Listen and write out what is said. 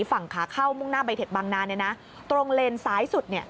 ฝั่งขาเข้ามุ่งหน้าใบเถ็ดบางนาตรงเลนซ้ายสุด